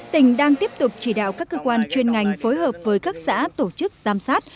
tỉnh đang tiếp tục chỉ đạo các cơ quan chuyên ngành phối hợp với các xã tổ chức giám sát